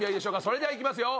それではいきますよ。